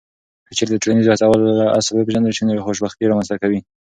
که چیرته د ټولنیزو هڅونو اصل وپېژندل سي، نو خوشبیني رامنځته کیږي.